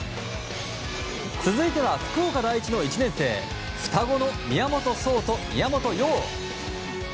続いては、福岡第一の１年生双子の宮本聡と宮本耀。